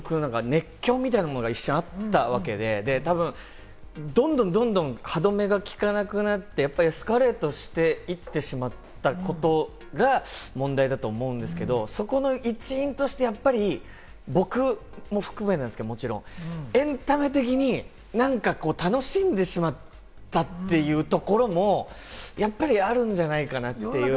熱狂みたいなものが一瞬あったわけで、どんどんどんどん歯止めが利かなくなって、エスカレートしていってしまったことが問題だと思うんですけれども、そこの一員としてやっぱり僕も含めなんですけれども、もちろん、エンタメ的に、何かこう楽しんでしまったというところもやっぱりあるんじゃないかなという。